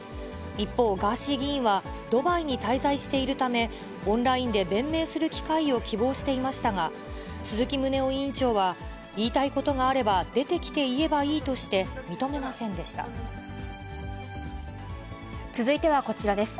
一方、ガーシー議員はドバイに滞在しているため、オンラインで弁明する機会を希望していましたが、鈴木宗男委員長は、言いたいことがあれば出てきて言えばいいとして、認めませんでし続いてはこちらです。